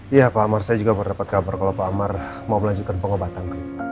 iya pak amar saya juga mendapat kabar kalau pak amar mau melanjutkan pengobatan